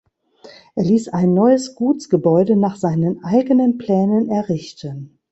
Er ließ ein neues Gutsgebäude nach seinen eigenen Plänen errichten.